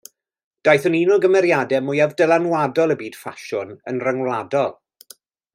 Daeth yn un o gymeriadau mwyaf dylanwadol y byd ffasiwn, yn rhyngwladol.